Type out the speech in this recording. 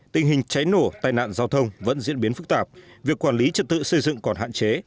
tình hình cháy nổ tai nạn giao thông vẫn diễn biến phức tạp việc quản lý trật tự xây dựng còn hạn chế